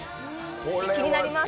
気になります！